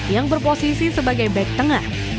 yang berposisi sebagai back tengah